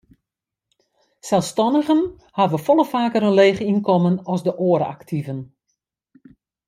Selsstannigen hawwe folle faker in leech ynkommen as de oare aktiven.